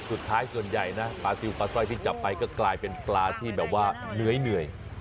สุดท้ายส่วนใหญ่นะปลาซิลปลาสร้อยที่จับไปก็กลายเป็นปลาที่แบบว่าเหนื่อย